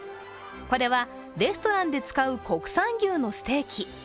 これはレストランで使う国産牛のステーキ。